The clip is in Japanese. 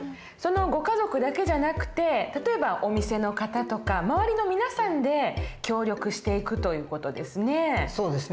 ご家族だけじゃなくて例えばお店の方とか周りの皆さんで協力していくという事ですね。